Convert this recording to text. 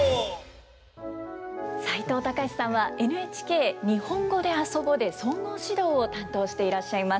齋藤孝さんはＮＨＫ「にほんごであそぼ」で総合指導を担当していらっしゃいます。